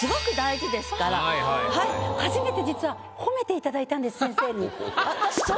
初めて実は褒めていただいたんです先生に。